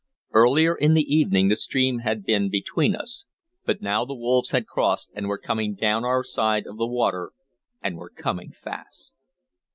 Earlier in the evening the stream had been between us, but now the wolves had crossed and were coming down our side of the water, and were coming fast.